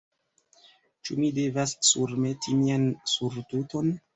Ĉu mi devas surmeti mian surtuton?